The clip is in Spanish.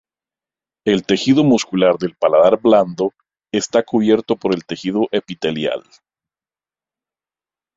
El tejido muscular del paladar blando está cubierto por el tejido epitelial.